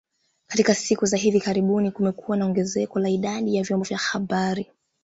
Katika siku za hivi karibuni kumekuwa na ongezeko la idadi ya vyombo vya habari